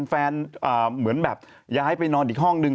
เหมือนแบบย้ายไปนอนอีกห้องนึง